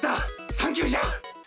サンキューじゃ！